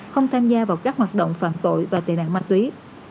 không tham gia vào các hoạt động phạm tội và tệ nạn ma túy